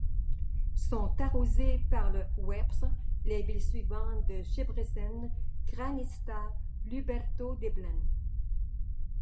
Sont arrosées par le Wieprz, les villes suivantes de Szczebrzeszyn, Krasnystaw, Lubartów, Dęblin.